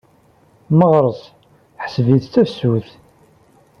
Meɣres ḥseb-it d tafsut.